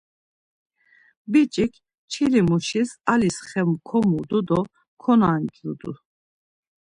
Biç̌ik, çili muşis alis xe komudu do konancudu.